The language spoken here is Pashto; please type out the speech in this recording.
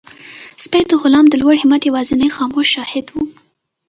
سپی د غلام د لوړ همت یوازینی خاموش شاهد و.